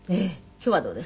今日はどうです？